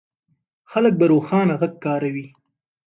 خلک به روښانه غږ کاروي.